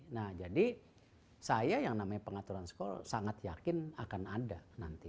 nah jadi saya yang namanya pengaturan skor sangat yakin akan ada nanti